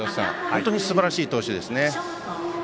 本当にすばらしい投手ですね。